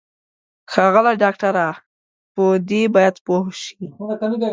ښاغلی ډاکټره په دې باید پوه شې.